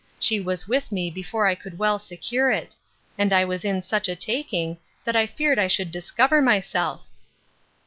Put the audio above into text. She was with me, before I could well secure it; and I was in such a taking that I feared I should discover myself.